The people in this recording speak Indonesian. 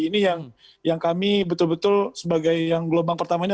ini yang kami betul betul sebagai yang gelombang pertamanya